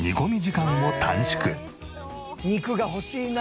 肉が欲しいなあ。